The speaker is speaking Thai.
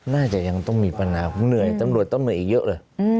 น่าจะยังต้องมีปัญหาผมเหนื่อยตำรวจต้องเหนื่อยอีกเยอะเลย